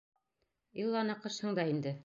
Илла ныҡышһың да инде.